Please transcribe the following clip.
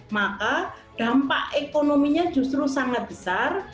maka dampak ekonominya justru sangat besar